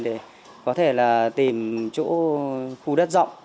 để có thể tìm chỗ khu đất rộng